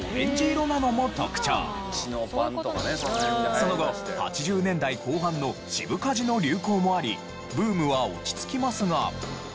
その後８０年代後半の渋カジの流行もありブームは落ち着きますが。